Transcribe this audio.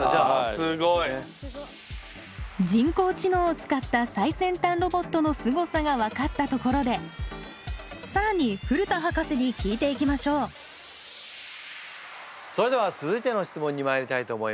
人工知能を使った最先端ロボットのすごさが分かったところで更に古田博士に聞いていきましょうそれでは続いての質問にまいりたいと思います。